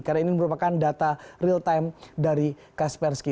karena ini merupakan data real time dari kaspersky